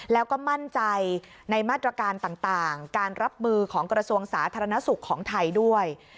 แล้วก็มั่นใจในมาตรการต่างการรับมือของกระทรวงสาธารณสุขของไทยด้วย